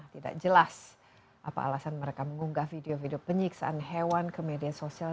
tidak jelas apa alasan mereka mengunggah video video penyiksaan hewan ke media sosial